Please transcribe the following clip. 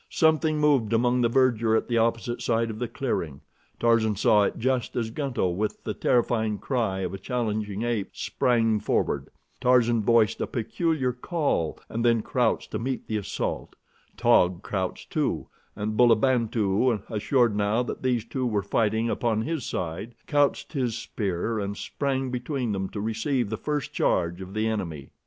Something moved among the verdure at the opposite side of the clearing. Tarzan saw it just as Gunto, with the terrifying cry of a challenging ape, sprang forward. Tarzan voiced a peculiar call and then crouched to meet the assault. Taug crouched, too, and Bulabantu, assured now that these two were fighting upon his side, couched his spear and sprang between them to receive the first charge of the enemy.